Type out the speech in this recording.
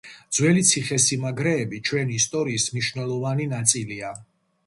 ძველი ციხესიმაგრეები ჩვენი ისტორიის მნიშვნელოვანი ნაწილია.